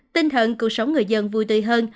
tinh thần cuộc sống người dân vui tươi hơn